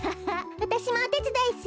わたしもおてつだいする。